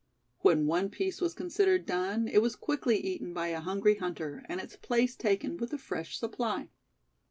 When one piece was considered done, it was quickly eaten by a hungry hunter, and its place taken with a fresh supply.